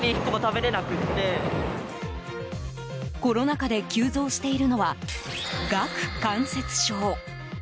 コロナ禍で急増しているのは顎関節症。